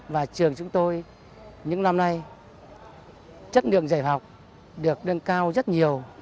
và trường chúng tôi những năm nay chất lượng dạy học được nâng cao rất nhiều